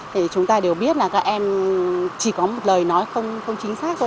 vì chúng ta đều biết là các em chỉ có một lời nói không chính xác thôi